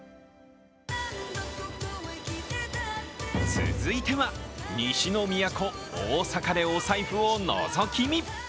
続いては、西の都、大阪でお財布をのぞき見。